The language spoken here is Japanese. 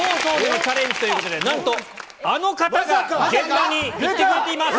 今回は生放送でのチャレンジということで、なんとあの方が現場に行ってくれてます。